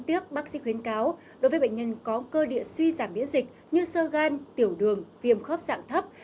đối với bệnh nhân có cơ địa suy giảm biễn dịch như sơ gan tiểu đường viêm khớp dạng thấp